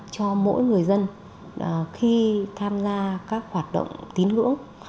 cho mỗi người dân khi tham gia các hoạt động tín ngưỡng